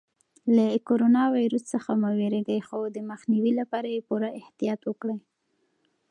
له کرونا ویروس څخه مه وېرېږئ خو د مخنیوي لپاره یې پوره احتیاط وکړئ.